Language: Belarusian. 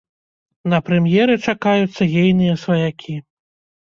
На прэм'еры чакаюцца ейныя сваякі.